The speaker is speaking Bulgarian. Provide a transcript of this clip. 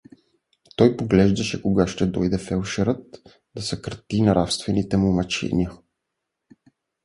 Той поглеждаше кога ще дойде фелдшерът да съкрати нравствените му мъчения.